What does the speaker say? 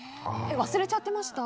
忘れちゃってました？